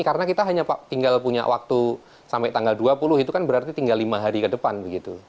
karena kita hanya tinggal punya waktu sampai tanggal dua puluh itu kan berarti tinggal lima hari ke depan begitu